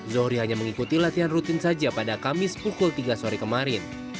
zohri hanya mengikuti latihan rutin saja pada kamis pukul tiga sore kemarin